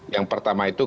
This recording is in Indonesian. yang pertama itu